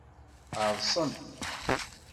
Ɛeḍsen.